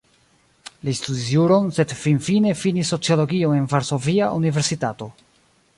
Li studis juron, sed finfine finis sociologion en Varsovia Universitato.